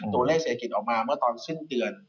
ตัวเลขเศรษฐกิจออกมาเมื่อตอนสิ้นเดือน